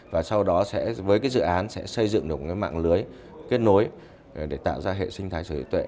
và sau đó sẽ với cái dự án sẽ xây dựng được một mạng lưới kết nối để tạo ra hệ sinh thái sở hữu tuệ